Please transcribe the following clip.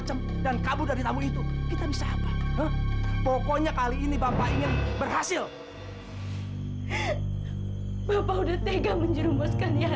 sampai jumpa di video selanjutnya